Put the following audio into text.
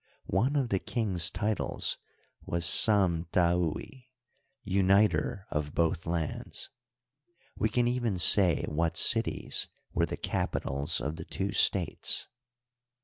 One of the king's titles was Sam^taui, uniter of both lands. We can even say what cities were the capi tals of the two states.